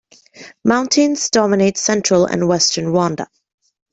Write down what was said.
Mountains dominate central and western Rwanda.